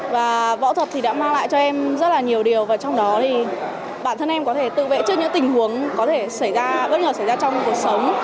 và võ thuật thì đã mang lại cho em rất là nhiều điều và trong đó thì bản thân em có thể tự vệ trước những tình huống có thể xảy ra bất ngờ xảy ra trong cuộc sống